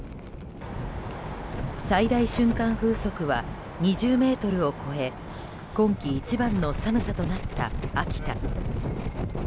最大瞬間風速は２０メートルを超え今季一番の寒さとなった秋田。